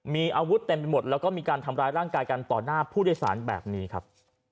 มีอาวุธเต็มไปหมดแล้วก็มีการทำร้ายร่างกายกันต่อหน้าผู้โดยสารแบบนี้ครับ